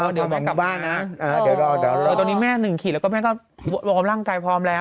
เดี๋ยวแม่กลับมาตอนนี้แม่หนึ่งขีดแล้วก็แม่ก็พร้อมร่างกายพร้อมแล้ว